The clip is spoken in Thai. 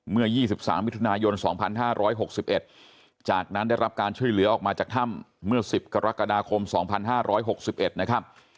เมื่อ๒๓มิถุนายน๒๕๖๑จากนั้นได้รับการช่วยเหลือออกมาจากถ้ำเมื่อ๑๐กรกฎาคม๒๕๖๑นะครับ